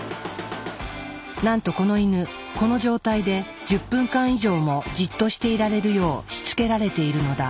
なんとこのイヌこの状態で１０分間以上もじっとしていられるようしつけられているのだ。